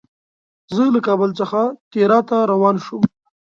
زه له کابل څخه تیراه ته روان شوم.